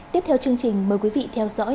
tiếp theo chương trình mời quý vị theo dõi